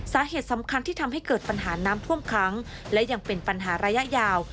สาเหตุสำคัญที่ทำให้เกิดปัญหาน้ำท่วมค้างและยังเป็นปัญหาระยะยาว